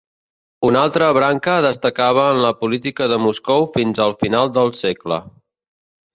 Una altra branca destacava en la política de Moscou fins al final del segle.